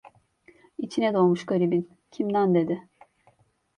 İçine doğmuş garibin… "Kimden?" dedi.